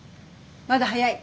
まだ早い。